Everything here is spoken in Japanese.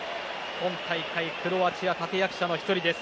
今大会クロアチア立役者の１人です。